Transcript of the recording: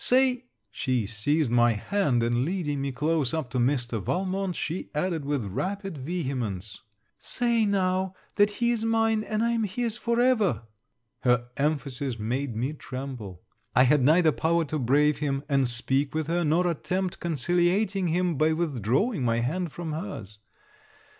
Say ' She seized my hand, and leading me close up to Mr. Valmont, she added, with rapid vehemence: 'Say now, that he is mine, and I am his for ever!' Her emphasis made me tremble. I had neither power to brave him, and speak with her, nor attempt conciliating him, by withdrawing my hand from her's.